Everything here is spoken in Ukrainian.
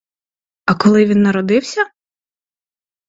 А коли він народився?